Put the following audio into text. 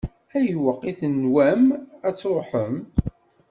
Ayweq i tenwam ad tṛuḥem?